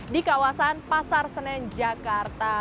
di kawasan pasar senen jakarta